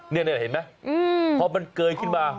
นี่เห็นไหมพอมันเกยขึ้นมา